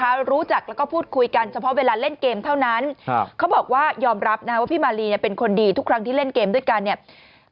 เขารู้จักแล้วก็พูดคุยกันเฉพาะเวลาเล่นเกมเท่านั้นครับเขาบอกว่ายอมรับนะฮะว่าพี่มาลีเนี่ยเป็นคนดีทุกครั้งที่เล่นเกมด้วยกันเนี่ย